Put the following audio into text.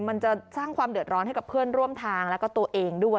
มันจะสร้างความเดือดร้อนให้กับเพื่อนร่วมทางแล้วก็ตัวเองด้วย